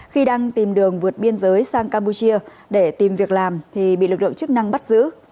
khi đang tìm đường vượt biên giới sang campuchia để tìm việc làm thì bị lực lượng chức năng bắt giữ